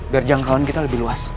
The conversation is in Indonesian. biar jangkauan kita lebih luas